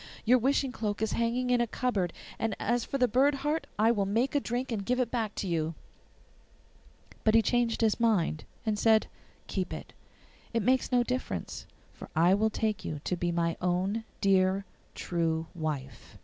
Your wishing cloak is hanging in a cupboard, and as for the bird heart I will make a drink and give it back to you.' But he changed his mind, and said, 'Keep it; it makes no difference, for I will take you to be my own dear true wife.